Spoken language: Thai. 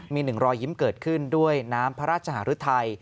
มีหนึ่งรอยยิ้มเกิดขึ้นด้วยน้ำพระราชหารุทัย